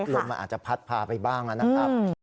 ลมมันอาจจะพัดพาไปบ้างนะครับ